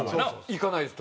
行かないです